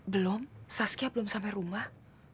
belum saskia belum sampai rumah